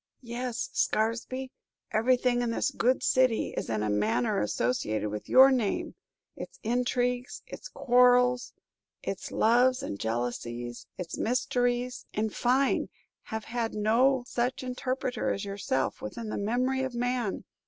"Yes, Scaresby, everything in this good city is in a manner associated with your name. Its intrigues, its quarrels, its loves and jealousies, its mysteries, in fine, have had no such interpreter as yourself within the memory of man!